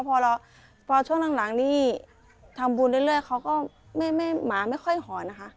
พอช่วงหลังนี่ทำบุญเรื่อยเขาก็หมาไม่ค่อยหอนนะคะ